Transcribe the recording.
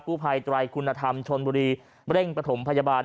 ผู้ภัยไตรคุณธรรมชนบุรีเร่งประถมพยาบาล